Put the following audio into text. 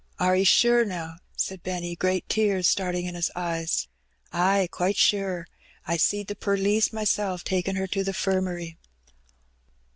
Are 'e sure, now?'* said Benny, great tears starting in his eyes. '' Ay, quite sure. I seed the perlice myself takin' her to the 'firmary."